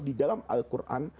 di dalam al quran